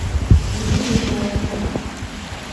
Изи йоча ойгыра